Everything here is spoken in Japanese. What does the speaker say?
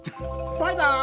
バイバイ！